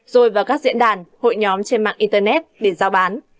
rồi vào các diễn đàn hội nhóm trên mạng internet để giao bán